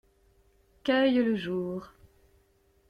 Cueille le jour.